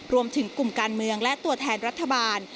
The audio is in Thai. รวมถึงกลุ่มการเมืองและตัวแทนรัฐบาล